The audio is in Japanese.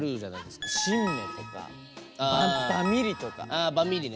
ああバミリね。